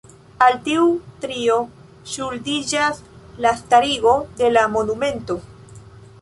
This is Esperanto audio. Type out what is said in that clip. Al tiu trio ŝuldiĝas la starigo de la monumento.